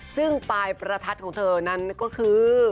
ซึ่งปลายประทัดของเธอนั้นก็คือ